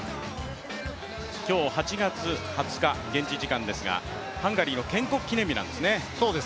今日８月２０日、ハンガリーの建国記念日なんですね。